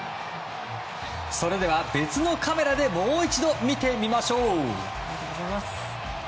それでは別のカメラでもう一度見てみましょう。